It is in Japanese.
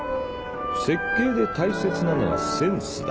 設計で大切なのはセンスだ。